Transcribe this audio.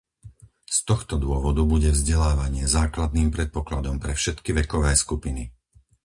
Z tohto dôvodu bude vzdelávanie základným predpokladom pre všetky vekové skupiny.